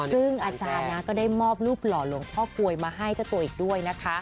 ซึ่งอาจารย์ก็ได้มอบรูปหล่อหลวงพ่อกลวยมาให้เจ้าตัวอีกด้วยนะคะ